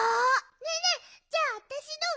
ねえねえじゃああたしのは？